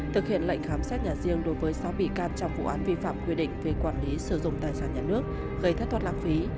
thực hiện lệnh khám xét nhà riêng đối với sáu bị can trong vụ án vi phạm quy định về quản lý sử dụng tài sản nhà nước gây thất thoát lãng phí